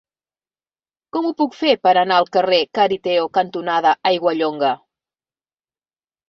Com ho puc fer per anar al carrer Cariteo cantonada Aiguallonga?